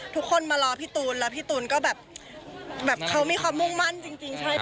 ทุกคนมารอพี่ตูนแล้วพี่ตูนก็แบบเขามีความมุ่งมั่นจริงใช่ป่